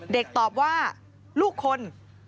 เด็กตอบว่าลูกคน